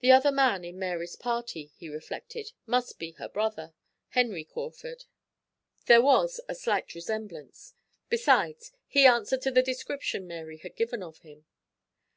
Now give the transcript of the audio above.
The other man in Mary's party, he reflected, must be her brother, Henry Crawford; there was a slight resemblance; besides, he answered to the description Mary had given of him.